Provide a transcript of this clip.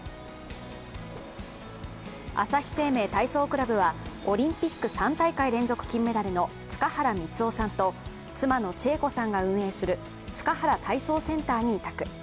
朝日生命体操クラブはオリンピック３大会連続金メダルの塚原光男さんと妻の千恵子さんが運営する塚原体操センターに委託。